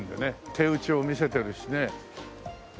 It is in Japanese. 手打ちを見せてるしね。